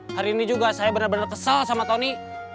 hari ini juga saya bener bener kesal sama tony